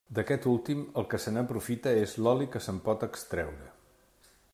D'aquest últim, el que se n'aprofita és l'oli que se'n pot extreure.